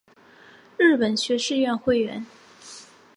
日本学士院会员。